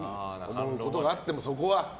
思うことがあってもそこは。